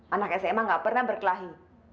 anak sma gak pernah berkelahi